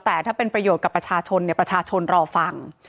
แต่ถ้าเป็นประโยชน์กับประชาชนเนี่ยประชาชนรอฟัง